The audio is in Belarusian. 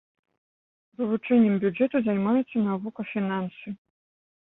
Вывучэннем бюджэту займаецца навука фінансы.